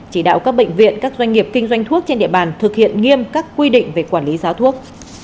chỉ đạo các bệnh viện các doanh nghiệp kinh doanh thuốc trên địa bàn thực hiện nghiêm các quy định về quản lý giá thuốc